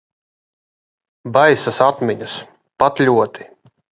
Baisas atmiņas. Pat ļoti.